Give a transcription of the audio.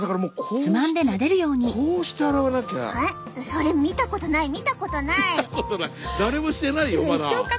それ見たことない見たことない。